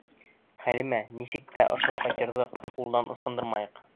Хәлимә, нисек тә ошо фатирҙы ҡулдан ысҡындырмайыҡ!